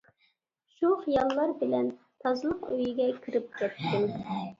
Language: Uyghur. شۇ خىياللار بىلەن تازىلىق ئۆيىگە كىرىپ كەتتىم.